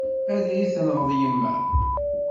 Ad iyi-tneɣ yemma.